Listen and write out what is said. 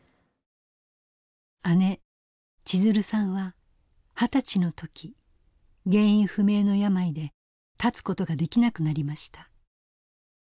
姉千鶴さんは二十歳の時原因不明の病で立つことができなくなりました。